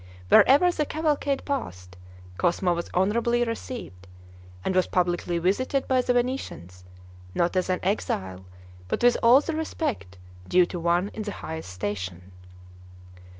Wherever the cavalcade passed, Cosmo was honorably received, and was publicly visited by the Venetians, not as an exile, but with all the respect due to one in the highest station.